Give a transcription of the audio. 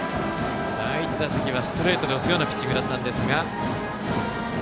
第１打席はストレートで押すようなピッチングでしたが。